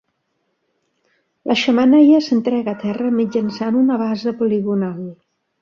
La xemeneia s'entrega a terra mitjançant una base poligonal.